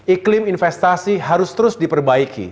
iklim investasi harus terus diperbaiki